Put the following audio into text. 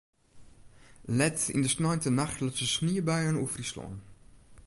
Let yn de sneintenacht lutsen sniebuien oer Fryslân.